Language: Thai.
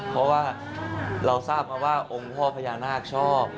เพราะว่าเราทราบมาว่าองค์พ่อพญานาคชอบ